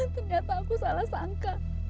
ternyata aku salah sangka